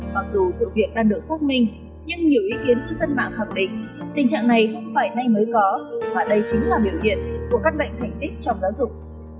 mặc dù sự việc đang được xác minh nhưng nhiều ý kiến cư dân mạng khẳng định tình trạng này không phải nay mới có và đây chính là biểu hiện của các bệnh thành tích trong giáo dục